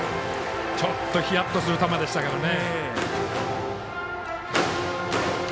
ちょっとヒヤッとする球でしたね。